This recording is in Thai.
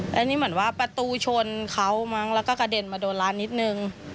อันนี้เหมือนว่าประตูชนเขามั้งแล้วก็กระเด็นมาโดนร้านนิดนึง